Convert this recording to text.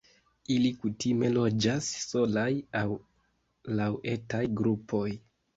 Ili kutime loĝas solaj aŭ laŭ etaj grupoj.